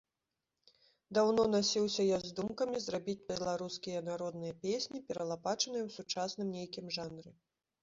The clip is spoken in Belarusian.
Даўно насіўся я з думкамі зрабіць беларускія народныя песні, пералапачаныя ў сучасным нейкім жанры.